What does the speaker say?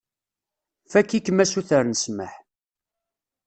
Fakk-ikem asuter n ssmaḥ.